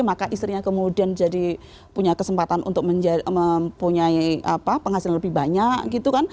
maka istrinya kemudian jadi punya kesempatan untuk mempunyai penghasilan lebih banyak gitu kan